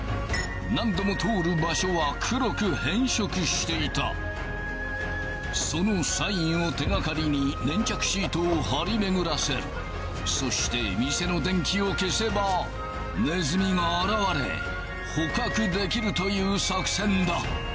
何度も通る場所は黒く変色していたそのサインを手掛かりに粘着シートを張り巡らせるそして店の電気を消せばネズミが現れ捕獲できるという作戦だ